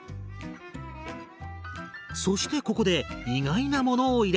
そしてここで意外なものを入れるんです。